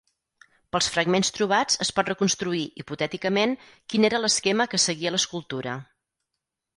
Pels fragments trobats es pot reconstruir hipotèticament quin era l'esquema que seguia l'escultura.